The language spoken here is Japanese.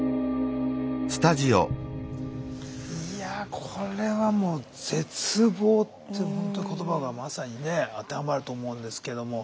いやあこれはもう絶望ってほんと言葉がまさにね当てはまると思うんですけども。